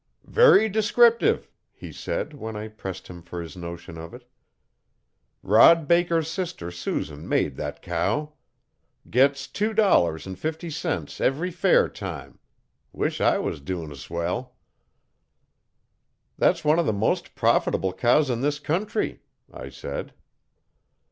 'Very descriptive,' he said when I pressed him for his notion of it. 'Rod Baker's sister Susan made thet cow. Gits tew dollars an' fifty cents every fair time wish I was dewin 's well.' 'That's one of the most profitable cows in this country,' I said.